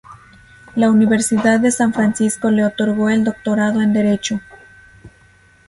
La Universidad de San Francisco le otorgó el Doctorado en Derecho.